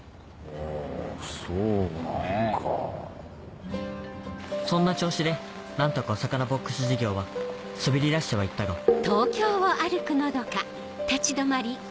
あぁそうなんか。そんな調子で何とかお魚ボックス事業は滑り出しては行ったがフゥ。